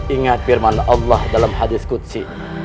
ingat firman allah dalam hadis kutsi